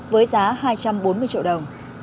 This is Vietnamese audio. với giá hai trăm bốn mươi triệu đồng